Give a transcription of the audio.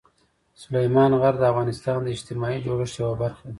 سلیمان غر د افغانستان د اجتماعي جوړښت یوه برخه ده.